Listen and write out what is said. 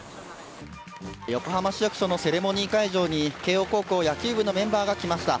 横浜市役所のセレモニー会場に慶應高校野球部のメンバーが来ました。